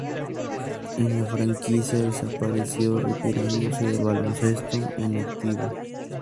En la franquicia desapareció, retirándose del baloncesto en activo.